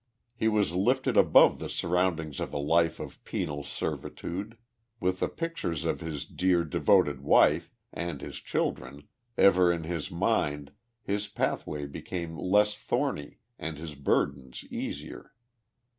lie was lifted above the surroundings of a life of penal servitude. With the pictures of his dear, devoted wife, and his children, ever in his mind his pathway became less thorny and his burdens easier.